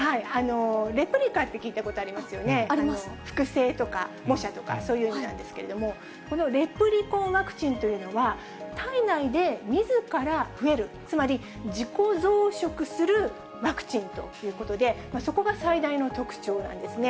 レプリカって聞いたことありますよね、複製とか、模写とか、そういう意味なんですけれども、このレプリコンワクチンというのは、体内でみずから増える、つまり自己増殖するワクチンということで、そこが最大の特徴なんですね。